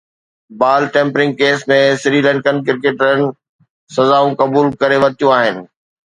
بال tampering ڪيس ۾ سريلنڪن ڪرڪيٽرن سزائون قبول ڪري ورتيون آهن